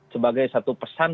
sebagai satu pesan